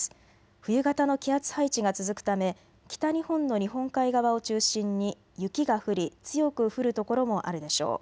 冬型の気圧配置が続くため北日本の日本海側を中心に雪が降り、強く降る所もあるでしょう。